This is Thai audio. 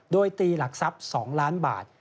โดยตีหลักทรัพย์๒ล้านบาท